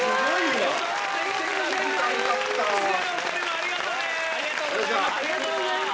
ありがとうございます。